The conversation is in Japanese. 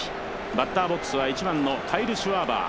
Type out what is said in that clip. バッターボックスは１番のシュワーバー。